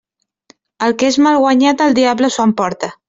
El que és mal guanyat el diable s'ho emporta.